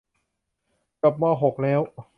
จบมอหกแล้ว